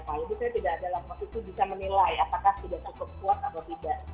jadi saya tidak ada dalam posisi bisa menilai apakah sudah cukup kuat atau tidak